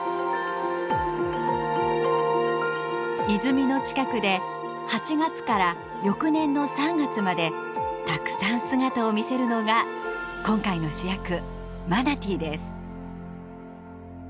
泉の近くで８月から翌年の３月までたくさん姿を見せるのが今回の主役マナティーです。